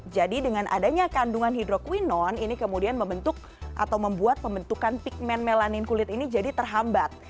jadi dengan adanya kandungan hidroquinone ini kemudian membentuk atau membuat pembentukan pigment melanin kulit ini jadi terhambat